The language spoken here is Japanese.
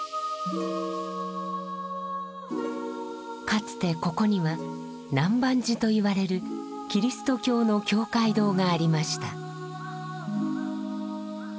かつてここには南蛮寺といわれるキリスト教の教会堂がありました。